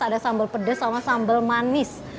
ada sambal pedas sama sambal manis